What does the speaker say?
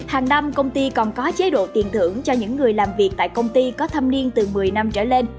hàng năm công ty còn có chế độ tiền thưởng cho những người làm việc tại công ty có thâm niên từ một mươi năm trở lên